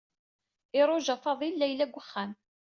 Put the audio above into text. Iṛuja Faḍil Layla deg uxxam.